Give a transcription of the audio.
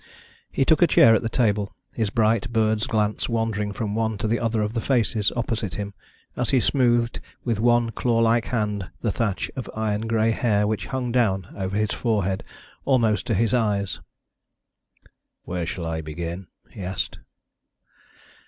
He took a chair at the table, his bright bird's glance wandering from one to the other of the faces opposite him as he smoothed with one claw like hand the thatch of iron grey hair which hung down over his forehead almost to his eyes. "Where shall I begin?" he asked.